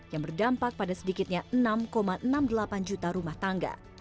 yang berdampak pada sedikitnya enam enam puluh delapan juta rumah tangga